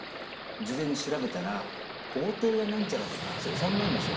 事前に調べたら、豪邸がなんちゃらとか、そんなんでしょ？